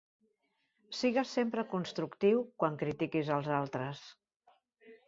Sigues sempre constructiu quan critiquis els altres.